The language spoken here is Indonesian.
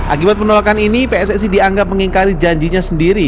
akibat penolakan ini pssi dianggap mengingkari janjinya sendiri